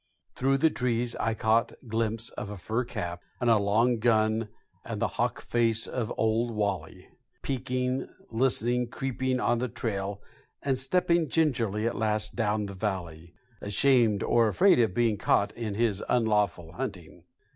Through the trees I caught glimpses of a fur cap and a long gun and the hawk face of Old Wally, peeking, listening, creeping on the trail, and stepping gingerly at last down the valley, ashamed or afraid of being caught at his unlawful hunting.